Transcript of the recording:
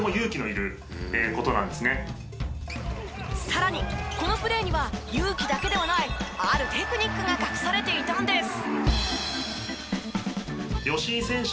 さらにこのプレーには勇気だけではないあるテクニックが隠されていたんです。